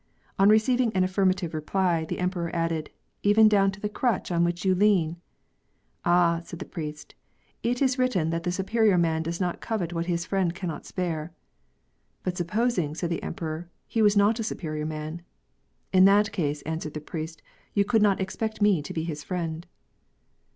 On receiving an affirmative reply, the Emperor added, " Even down to the crutch on which you lean ?"" Ah/' said the priest, ^'it is written that the superior man does not covet what his friend cannot spare." " But suppos ing," said the Emperor, *' he was not a superior man." " In that case," answered the priest, " you could not expect me to be his friend."